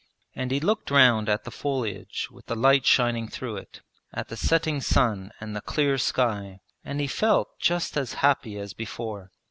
And he looked round at the foliage with the light shining through it, at the setting sun and the clear sky, and he felt just as happy as before.